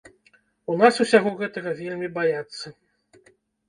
У нас усяго гэтага вельмі баяцца.